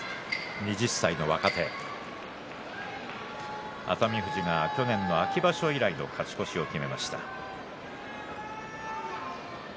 ２０歳の若手熱海富士が去年の秋場所以来の勝ち越しです。